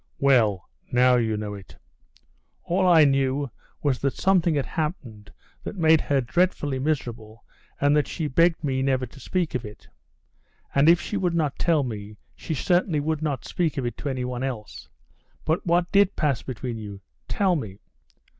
"Well, now you know it." "All I knew was that something had happened that made her dreadfully miserable, and that she begged me never to speak of it. And if she would not tell me, she would certainly not speak of it to anyone else. But what did pass between you? Tell me."